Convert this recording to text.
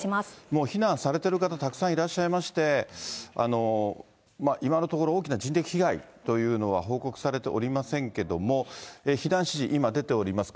もう避難されてる方、たくさんいらっしゃいまして、今のところ、大きな人的被害というのは報告されておりませんけれども、避難指示、今出ております。